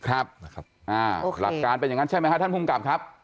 หลักการเป็นอย่างนั้นใช่ไหมครับท่านภูมิกับครับ